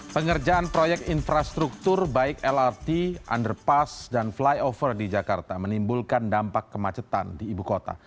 pengerjaan proyek infrastruktur baik lrt underpass dan flyover di jakarta menimbulkan dampak kemacetan di ibu kota